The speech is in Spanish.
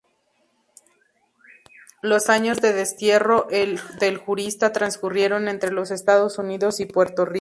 Los años de destierro del jurista transcurrieron entre Los Estados Unidos y Puerto Rico.